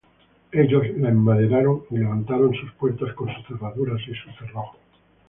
ellos la enmaderaron, y levantaron sus puertas, con sus cerraduras y sus cerrojos.